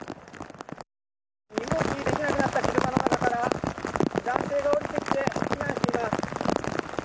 身動きできなくなった車の中から男性が降りてきて避難しています。